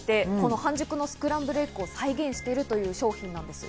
半熟のスクランブルエッグを再現しているという商品なんです。